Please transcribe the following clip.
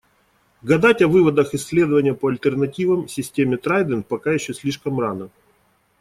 Гадать о выводах "Исследования по альтернативам системе 'Трайдент'" пока еще слишком рано.